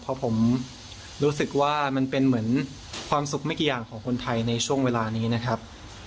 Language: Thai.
เพราะผมรู้สึกว่ามันเป็นเหมือนความสุขไม่กี่อย่างของคนไทยในช่วงเวลานี้นะครับ